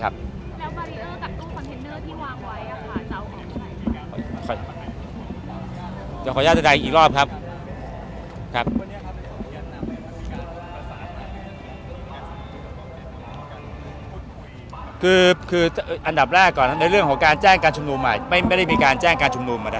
คืออันดับแรกก่อนในเรื่องของการแจ้งการชุมนุมไม่ได้มีการแจ้งการชุมนุม